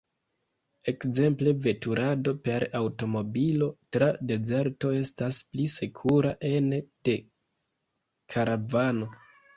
Ekzemple veturado per aŭtomobilo tra dezerto estas pli sekura ene de karavano.